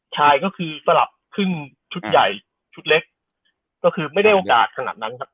ชายก็คือสลับขึ้นชุดใหญ่ชุดเล็กก็คือไม่ได้โอกาสขนาดนั้นครับ